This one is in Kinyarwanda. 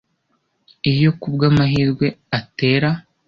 iyo kubwamahirwe atera